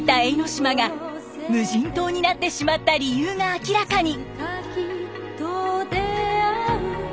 島が無人島になってしまった理由が明らかに。